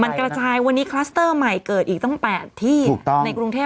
มันกระจายวันนี้คลัสเตอร์ใหม่เกิดอีกตั้ง๘ที่ในกรุงเทพ